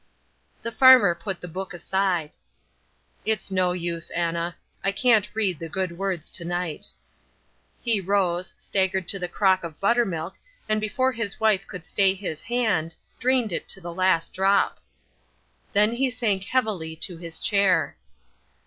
The farmer put the book aside. "It's no use, Anna. I can't read the good words to night." He rose, staggered to the crock of buttermilk, and before his wife could stay his hand, drained it to the last drop. Then he sank heavily to his chair.